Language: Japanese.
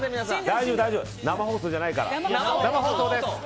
大丈夫、生放送じゃないから。